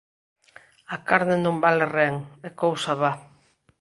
A carne non vale ren, é cousa va.